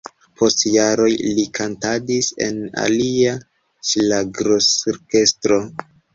Post jaroj li kantadis en alia ŝlagrorkestro.